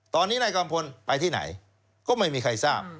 ตอนนี้นายกัมพลไปที่ไหนก็ไม่มีใครทราบ